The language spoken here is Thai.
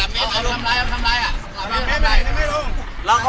วันนี้เราจะมาจอดรถที่แรงละเห็นเป็น